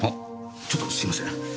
ちょっとすいません。